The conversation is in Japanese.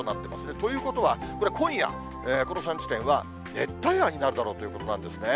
ということは、これ、今夜、この３地点は、熱帯夜になるだろうということなんですね。